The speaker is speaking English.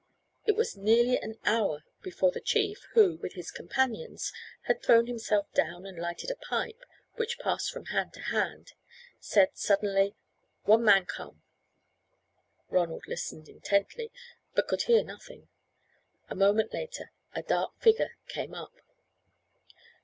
It was nearly an hour before the chief, who, with his companions, had thrown himself down and lighted a pipe, which passed from hand to hand, said suddenly: "One man come!" Ronald listened intently, but could hear nothing. A moment later a dark figure came up.